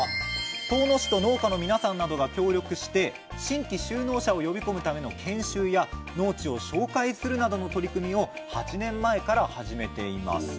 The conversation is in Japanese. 遠野市と農家の皆さんなどが協力して新規就農者を呼び込むための研修や農地を紹介するなどの取り組みを８年前から始めています。